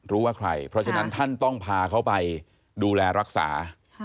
รู้ว่าใครเพราะฉะนั้นท่านต้องพาเขาไปดูแลรักษา